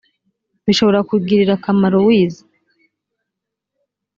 bishobora kugirira akamaro wize